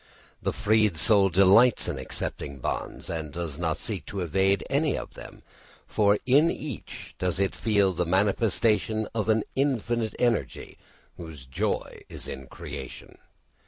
The freed soul delights in accepting bonds, and does not seek to evade any of them, for in each does it feel the manifestation of an infinite energy whose joy is in creation.